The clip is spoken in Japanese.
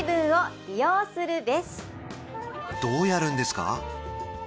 どうやるんですか？